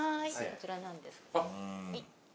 こちらなんですけどはい。